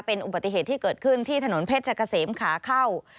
เป็นอุบัติเหตุที่เกิดขึ้นที่ถนนเพชรกะเสมขาเข้า